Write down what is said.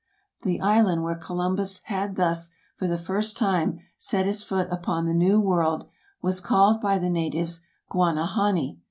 The island where Columbus had thus, for the first time, set his foot upon the New World, was called by the natives, Guanahani.